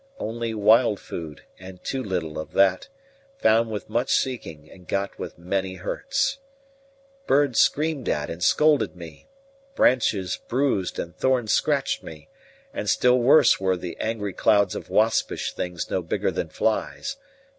Only wild food, and too little of that, found with much seeking and got with many hurts. Birds screamed at and scolded me; branches bruised and thorns scratched me; and still worse were the angry clouds of waspish things no bigger than flies.